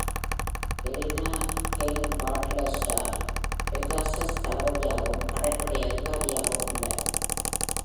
Helena Cain Battlestar "Pegasus" தளபதியாகவும், கடற்படை அதிகாரியாகவும் உள்ளார்.